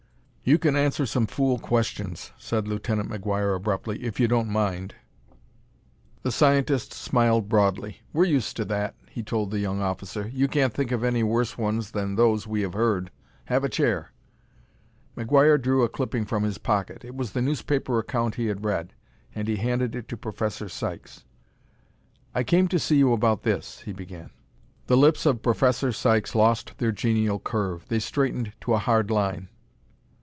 "You can answer some fool questions," said Lieutenant McGuire abruptly, "if you don't mind." The scientist smiled broadly. "We're used to that," he told the young officer; "you can't think of any worse ones than those we have heard. Have a chair." McGuire drew a clipping from his pocket it was the newspaper account he had read and he handed it to Professor Sykes. "I came to see you about this," he began. The lips of Professor Sykes lost their genial curve; they straightened to a hard line.